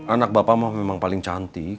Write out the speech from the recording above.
anak bapak memang paling cantik